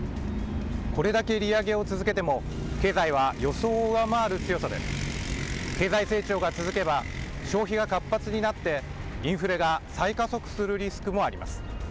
これだけ利上げを続けても、経済は予想を上回る強さで、経済成長が続けば、消費が活発になってインフレが再加速するリスクもあります。